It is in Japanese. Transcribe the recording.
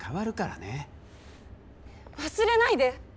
忘れないで！